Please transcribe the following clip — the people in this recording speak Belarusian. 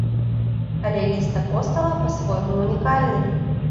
Але ліст апостала па-свойму ўнікальны.